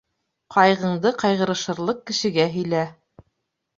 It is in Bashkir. Ҡайғыңды ҡайғырышырлыҡ кешегә һөйлә.